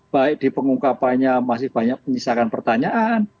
baik di pengungkapannya masih banyak menyisakan pertanyaan